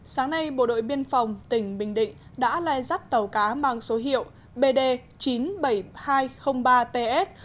sáng nay bộ đội biên phòng tỉnh bình định đã lai dắt tàu cá mang số hiệu bd chín mươi bảy nghìn hai trăm linh ba ts